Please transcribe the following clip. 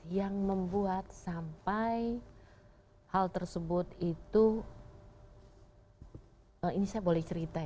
yang membuat sampai hal tersebut itu ini saya boleh cerita ya